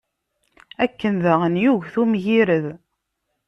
Akken daɣen yuget umgired.